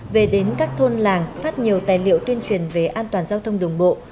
về đến các thôn làng phát nhiều tài liệu tuyên truyền về an toàn giao thông đường bộ